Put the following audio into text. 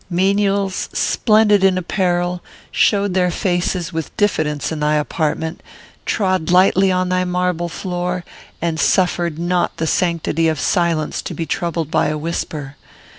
Menials, splendid in apparel, showed their faces with diffidence in thy apartment, trod lightly on thy marble floor, and suffered not the sanctity of silence to be troubled by a whisper.